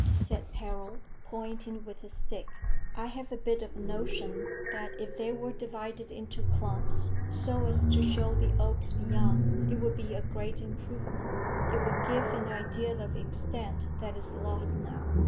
said Harold, pointing with his stick. "I have a bit of a notion that if they were divided into clumps so as to show the oaks beyond it would be a great improvement. It would give an idea of extent that is lost now.